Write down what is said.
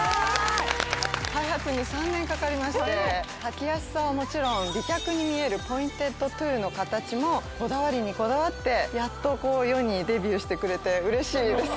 開発に３年かかりまして履きやすさはもちろん美脚に見えるポインテッドトゥの形もこだわりにこだわってやっとこう世にデビューしてくれて嬉しいです